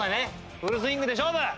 フルスイングで勝負！